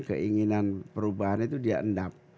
keinginan perubahan itu dia endap